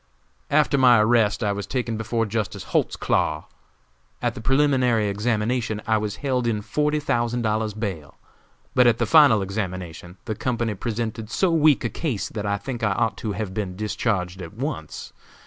"After my arrest, I was taken before Justice Holtzclaw. At the preliminary examination I was held in forty thousand dollars bail, but at the final examination the company presented so weak a case that I think I ought to have been discharged at once.